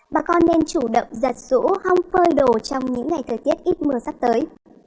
bà con nên chủ động giặt rũ hong phơi đồ trong những ngày thời tiết ít mưa sắp tới